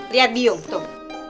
lihat biung tuh